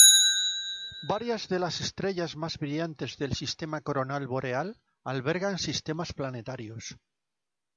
Varias de las estrellas más brillantes de Corona Boreal albergan sistemas planetarios.